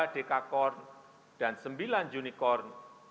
dua dekakorn dan sembilan unicorn